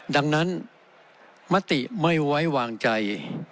ดังนั้นมติไม่ไว้วางใจ